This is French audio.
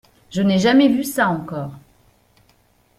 Je n’ai jamais vu ça encore.